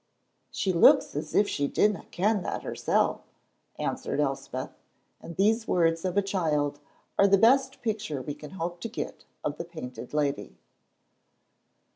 "She looks as if she didna ken that hersel'," answered Elspeth, and these words of a child are the best picture we can hope to get of the Painted Lady.